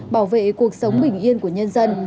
bảo vệ cuộc sống bình yên của nhân dân